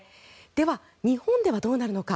では、日本ではどうなるのか。